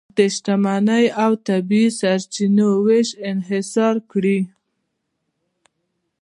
د شتمنۍ او طبیعي سرچینو وېش انحصار کړي.